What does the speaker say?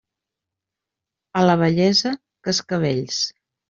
A la vellesa, cascavells.